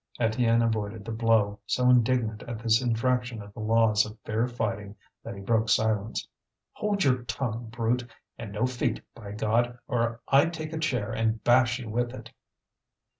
Étienne avoided the blow, so indignant at this infraction of the laws of fair fighting that he broke silence. "Hold your tongue, brute! And no feet, by God! or I take a chair and bash you with it!"